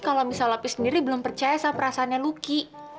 kalau misal opi sendiri belum percaya sama perasaannya luki